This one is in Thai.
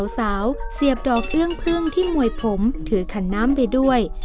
สาวเสียบดอกเอื้องพึ่งที่มวยผมถือขันน้ำไปด้วย